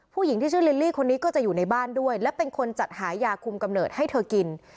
ผู้หญิงที่ชื่อลิลลี่คนนี้ก็จะอยู่ในบ้านด้วยและเป็นคนจัดหายาคุมกำเนิดให้เธอกิน